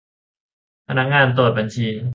พนักงานตรวจบัญชี